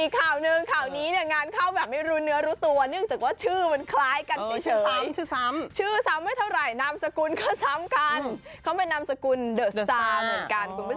คุณผู้ชมมีอะไรอีก